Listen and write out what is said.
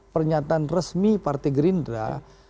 pernyataan resmi partai gerindra